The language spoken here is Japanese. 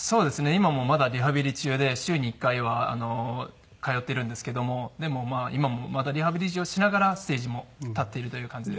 今もまだリハビリ中で週に１回は通っているんですけどもでもまあ今もまだリハビリをしながらステージも立っているという感じです。